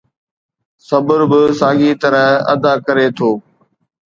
صبر به ساڳيءَ طرح ادا ڪري ٿو.